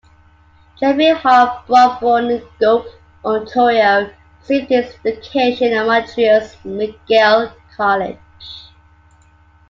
Jeffry Hall Brock born in Guelph, Ontario received his education at Montreal's McGill College.